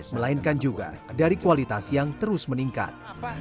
melainkan juga dari kualitas yang terus meningkat